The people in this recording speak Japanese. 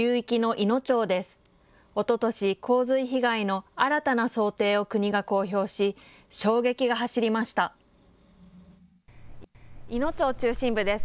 いの町中心部です。